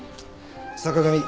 坂上